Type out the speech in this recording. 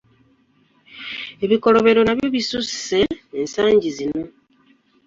Ebikorobero nabyo bisusse enangi zino